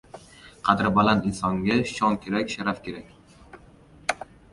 Qadri baland insonga shon kerak, sharaf kerak